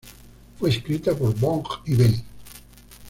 Fue escrita por Björn y Benny.